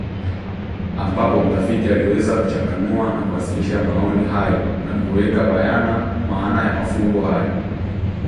ambapo mtafiti aliweza kuchanganua na kuwasilisha maoni hayo na kuweka bayana maana ya mafumbo hayo